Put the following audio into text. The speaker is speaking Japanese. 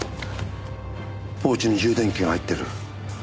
ポーチに充電器が入ってる。